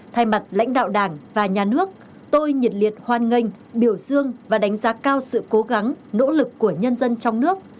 thay mặt lãnh đạo đảng và nhà nước tôi nhiệt liệt hoan nghênh biểu dương và đánh giá cao sự cố gắng nỗ lực của nhân dân trong nước